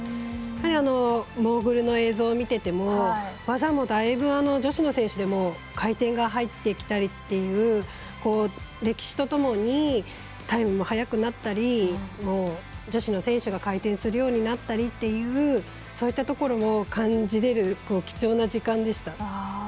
やっぱりモーグルの映像を見てても技もだいぶ女子の選手でも回転が入ってきたりっていう歴史とともにタイムも早くなったり女子の選手が回転するようになったりそういったところを感じれる貴重な時間でした。